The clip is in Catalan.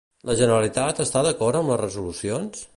La Generalitat està d'acord amb les resolucions?